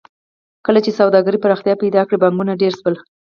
کله چې سوداګرۍ پراختیا پیدا کړه بانکونه ډېر شول